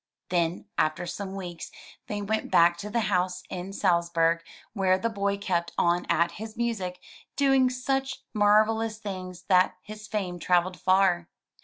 Then, after some weeks, they went back to the home in Salzburg, where the boy kept on at his music, doing such mar velous things that his fame traveled far.